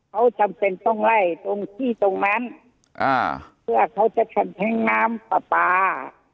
เขาจำเป็นต้องไล่ตรงที่ตรงนั้นอ่าเพื่อเขาจะทำแท้งน้ำปลาปลา